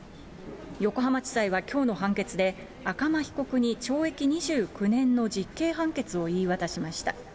横浜地裁はきょうの判決で、赤間被告に懲役２９年の実刑判決を言い渡しました。